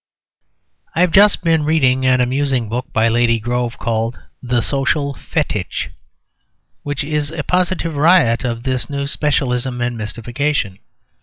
I have just been reading an amusing book by Lady Grove called "The Social Fetich," which is a positive riot of this new specialism and mystification.